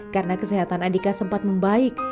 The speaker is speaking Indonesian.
karena kesehatan andika sempat membaik